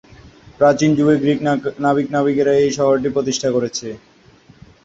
প্রাচীন যুগে গ্রিক নাবিক-বণিকেরা এই শহরটি প্রতিষ্ঠা করে।